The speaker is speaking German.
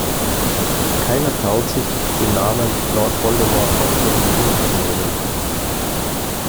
Keiner traut sich, den Namen Lord Voldemort auch nur in den Mund zu nehmen.